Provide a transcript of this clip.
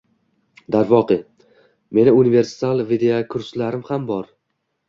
darvoqe, meni universal videokurslarim ham bor.